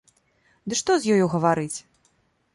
Ды што з ёю гаварыць!